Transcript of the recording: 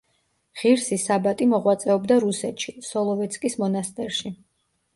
ღირსი საბატი მოღვაწეობდა რუსეთში, სოლოვეცკის მონასტერში.